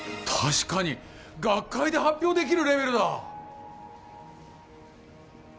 確かに学会で発表できるレベルだ。